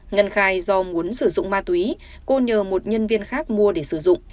ngân khai do muốn sử dụng ma túy cô nhờ một nhân viên khác mua để sử dụng